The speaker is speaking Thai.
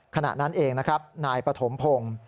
ขณะนั้นเองนะครับนายปฐมพงศ์